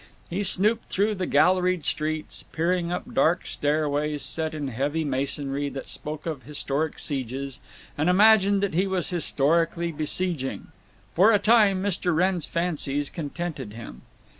He snooped through the galleried streets, peering up dark stairways set in heavy masonry that spoke of historic sieges, and imagined that he was historically besieging. For a time Mr. Wrenn's fancies contented him.